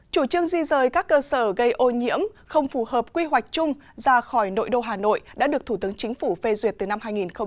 chủ trương di rời các cơ sở gây ô nhiễm không phù hợp quy hoạch chung ra khỏi nội đô hà nội đã được thủ tướng chính phủ phê duyệt từ năm hai nghìn một mươi sáu